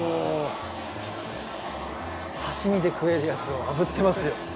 刺身で食えるやつをあぶってますよ。